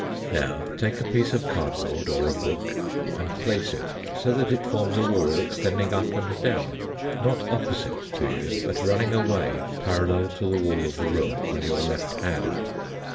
Now take a piece of card board, or a book, and place it so that it forms a wall extending up and down not opposite to you, but run ning away parallel to the wall of the room on your left hand.